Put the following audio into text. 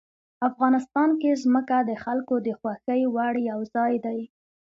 افغانستان کې ځمکه د خلکو د خوښې وړ یو ځای دی.